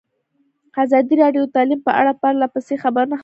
ازادي راډیو د تعلیم په اړه پرله پسې خبرونه خپاره کړي.